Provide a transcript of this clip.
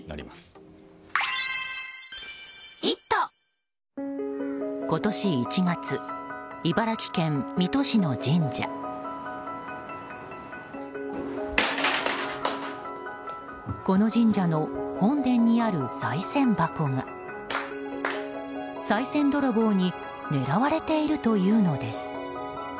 この神社の本殿にあるさい銭箱がさい銭泥棒に狙われているというのです。